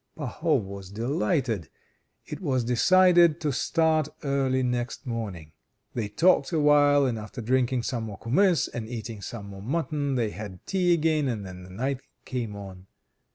Pahom was delighted. It was decided to start early next morning. They talked a while, and after drinking some more kumiss and eating some more mutton, they had tea again, and then the night came on.